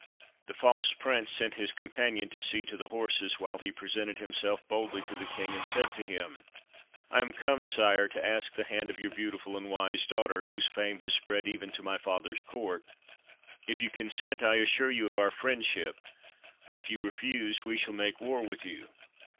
The false prince sent his companion to see to the horses, while he presented himself boldly to the king, and said to him— "I am come, sire, to ask the hand of your beautiful and wise daughter, whose fame has spread even to my father's court. If you consent I assure you of our friendship, but if you refuse we shall make war with you."